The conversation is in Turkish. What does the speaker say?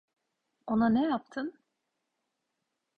Ona ne yaptın?